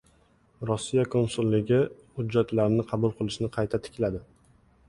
Rossiya konsulligi hujjatlarni qabul qilishni qayta tikladi